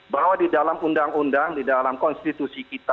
bahwa di dalam undang undang di dalam konstitusi kita